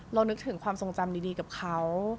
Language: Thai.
นึกถึงความทรงจำดีกับเขา